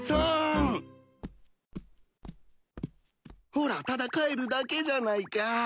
ほらただ帰るだけじゃないか。